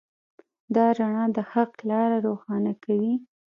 دا رڼا د حق لاره روښانه کوي.